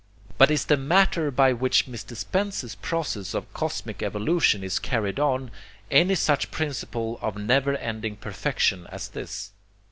But is the matter by which Mr. Spencer's process of cosmic evolution is carried on any such principle of never ending perfection as this?